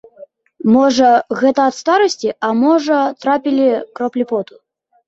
Можа, гэта ад старасці, а можа, трапілі кроплі поту.